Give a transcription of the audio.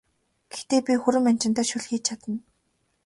Гэхдээ би хүрэн манжинтай шөл хийж чадна!